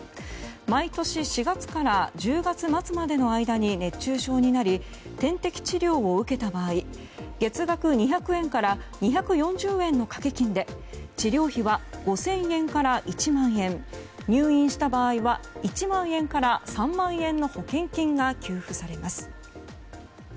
毎年４月から１０月末までの間に熱中症になり点滴治療を受けた場合月額２００円から２４０円の掛け金で治療費は５０００円から１万円入院した場合は１万円から３万円の保険金が給付されます